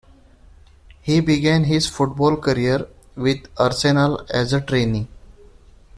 He began his football career with Arsenal as a trainee.